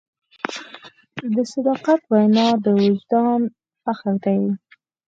د صداقت وینا د وجدان فخر دی.